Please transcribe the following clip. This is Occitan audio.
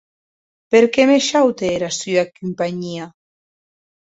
Perque me shaute era sua companhia?